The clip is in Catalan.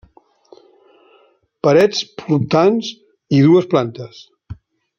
Parets portants i dues plantes.